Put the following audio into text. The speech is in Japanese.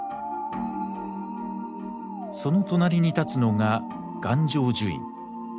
その隣に立つのが願成就院。